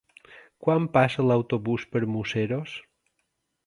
Quan passa l'autobús per Museros?